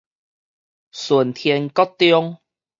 順天國中